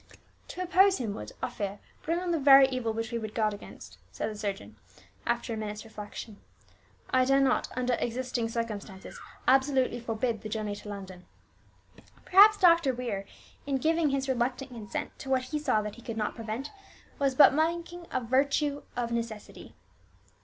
"To oppose him would, I fear, bring on the very evil which we would guard against," said the surgeon, after a minute's reflection. "I dare not, under existing circumstances, absolutely forbid the journey to London." Perhaps Dr. Weir, in giving his reluctant consent to what he saw that he could not prevent, was but making a virtue of necessity.